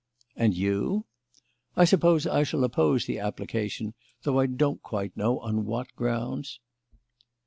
"And you?" "I suppose I shall oppose the application, though I don't quite know on what grounds."